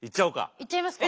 いっちゃいますか？